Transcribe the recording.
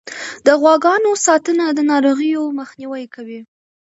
د غواګانو ساتنه د ناروغیو مخنیوی کوي.